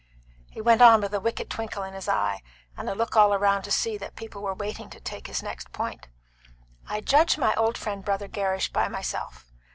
He went on with a wicked twinkle in his eye, and a look all round to see that people were waiting to take his next point. "I judge my old friend Brother Gerrish by myself.